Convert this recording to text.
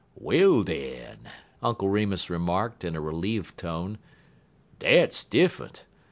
"Well, den," Uncle Remus remarked, in a relieved tone, "dat's diffunt.